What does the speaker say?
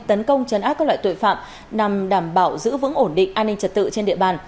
tấn công chấn áp các loại tội phạm nhằm đảm bảo giữ vững ổn định an ninh trật tự trên địa bàn